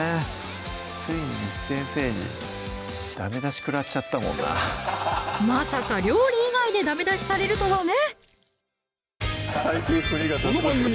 ついに簾先生にダメ出し食らっちゃったもんなまさか料理以外でダメ出しされるとはね